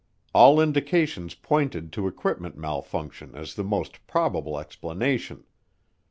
All indications pointed to equipment malfunction as the most probable explanation.